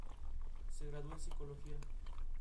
Se graduó en psicología.